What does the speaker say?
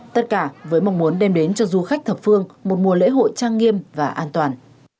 tất cả với mong muốn đem đến cho du khách thập phương một mùa lễ hội trang nghiêm và an toàn